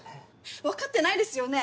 分かってないですよね？